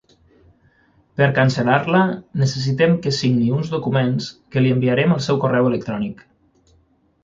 Per cancel·lar-la necessitem que signi uns documents que li enviarem al seu correu electrònic.